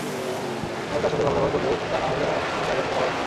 আর তার সাথে ভাল ব্যবহার করবে তা নাহলে আমাকে আগামীকাল আবার আসতে হবে।